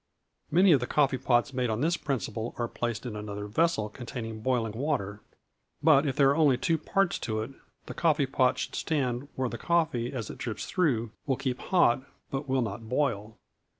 Many of the coffee pots made on this principle are placed in another vessel containing boiling water; but, if there be only two parts to it, the coffee pot should stand where the coffee, as it drips through, will keep hot, but will not boil.